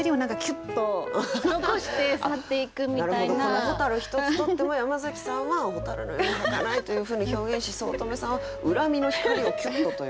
この「蛍」一つとっても山崎さんは蛍のようにはかないというふうに表現し五月女さんは恨みの光をキュッとというね。